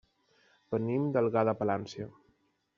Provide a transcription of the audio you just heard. Venim d'Algar de Palància.